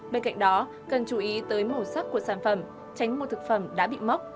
bên cạnh đó cần chú ý tới màu sắc của sản phẩm tránh một thực phẩm đã bị mốc